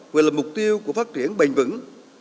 vừa là mục tiêu của phát triển bình vững